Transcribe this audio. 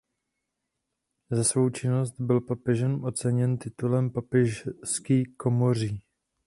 Za svou činnost byl papežem oceněn titulem papežský komoří.